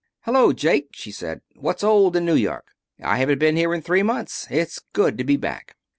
"Hello, Jake," she said. "What's old in New York? I haven't been here in three months. It's good to be back."